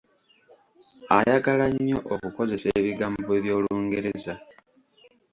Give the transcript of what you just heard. Ayagala nnyo okukozesa ebigambo by’Olungereza.